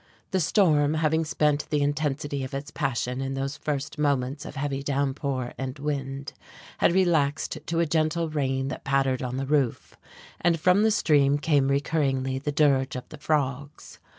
The storm, having spent the intensity of its passion in those first moments of heavy downpour and wind, had relaxed to a gentle rain that pattered on the roof, and from the stream came recurringly the dirge of the frogs.